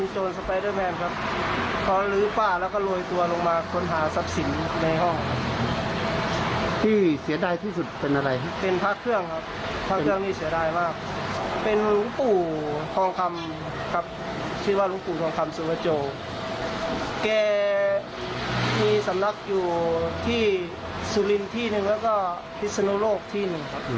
มีสนัขอยู่ที่ซิลินที่หนึ่งแล้วก็ลิสุโรโลกที่หนึ่ง